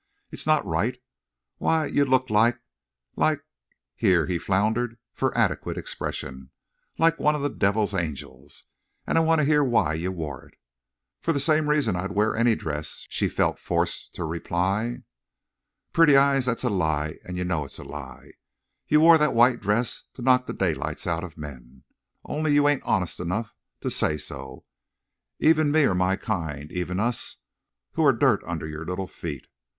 It's not right. Why, you looked like—like"—here he floundered for adequate expression—"like one of the devil's angels. An' I want to hear why you wore it." "For the same reason I'd wear any dress," she felt forced to reply. "Pretty Eyes, thet's a lie. An' you know it's a lie. You wore thet white dress to knock the daylights out of men. Only you ain't honest enough to say so.... Even me or my kind! Even us, who're dirt under your little feet.